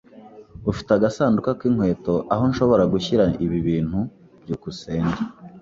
Ufite agasanduku k'inkweto aho nshobora gushyira ibi bintu? byukusenge